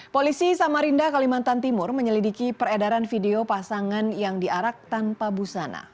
polisi samarinda kalimantan timur menyelidiki peredaran video pasangan yang diarak tanpa busana